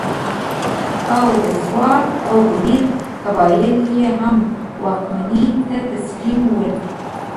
او د سوات او بنیر قبایل یې هم واکمنۍ ته تسلیم ول.